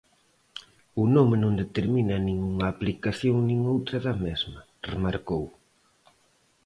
"O nome non determina nin unha aplicación nin outra da mesma", remarcou.